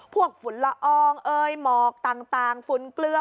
พวกฝุ่นละอองมอกต่างฝุ่นเกลือ